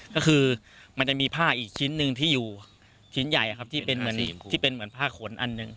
ก็คือมันจะมีผ้าอีกชิ้นหนึ่งที่อยู่ชิ้นใหญ่ครับที่เป็นเหมือนที่เป็นเหมือนผ้าขนอันหนึ่ง